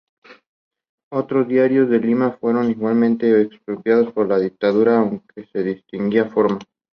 Otros diarios de Lima fueron igualmente expropiados por la dictadura, aunque de distinta forma.